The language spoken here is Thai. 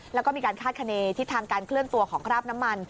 แล้วก็มีการคาดคณีทิศทางการเคลื่อนตัวของคราบน้ำมัน